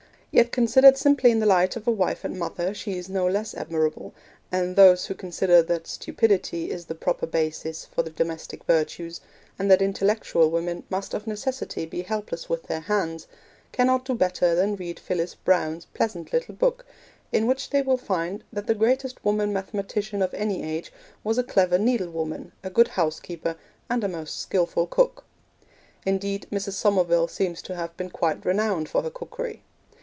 Yet, considered simply in the light of a wife and a mother, she is no less admirable; and those who consider that stupidity is the proper basis for the domestic virtues, and that intellectual women must of necessity be helpless with their hands, cannot do better than read Phyllis Browne's pleasant little book, in which they will find that the greatest woman mathematician of any age was a clever needlewoman, a good housekeeper, and a most skilful cook. Indeed, Mrs. Somerville seems to have been quite renowned for her cookery.